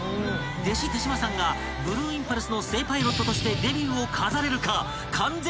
［弟子手島さんがブルーインパルスの正パイロットとしてデビューを飾れるか］